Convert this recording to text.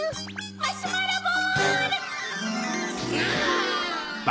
マシュマロボール！